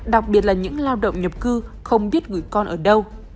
đặc biệt là những lao động nhập cư không biết gửi con ở đâu